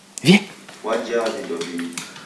Wajaa vindo vingi!.